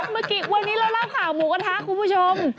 เมื่อกี้วันนี้เราเล่าข่าวหมูกระทะคุณผู้ชม